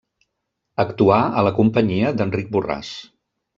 Actuà a la companyia d'Enric Borràs.